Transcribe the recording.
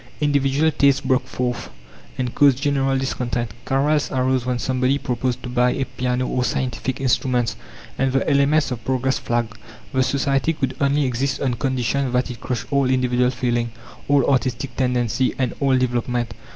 Individual tastes broke forth, and caused general discontent; quarrels arose when somebody proposed to buy a piano or scientific instruments; and the elements of progress flagged. The society could only exist on condition that it crushed all individual feeling, all artistic tendency, and all development.